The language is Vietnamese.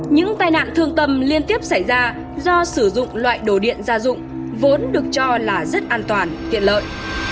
những tai nạn thương tâm liên tiếp xảy ra do sử dụng loại đồ điện gia dụng vốn được cho là rất an toàn tiện lợi